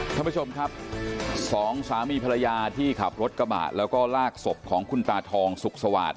ท่านผู้ชมครับสองสามีภรรยาที่ขับรถกระบะแล้วก็ลากศพของคุณตาทองสุขสวาสตร์